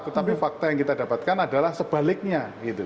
tetapi fakta yang kita dapatkan adalah sebaliknya